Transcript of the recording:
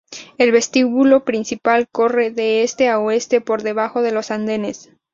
El vestíbulo principal corre de este a oeste, por debajo de los andenes.